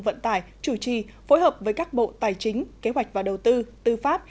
vận tải chủ trì phối hợp với các bộ tài chính kế hoạch và đầu tư tư pháp